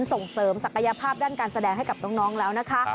ส่งเสริมศักยภาพด้านการแสดงให้กับน้องแล้วนะคะ